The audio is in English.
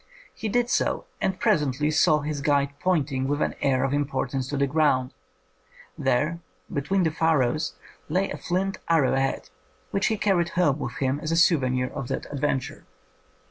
He did so, and presently saw his guide pointing with an air of importance to the ground. There, between the furrows, lay a flint arrow head which he carried home with him as a souvenir of the adventure.